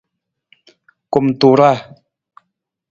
Kumtuuraa.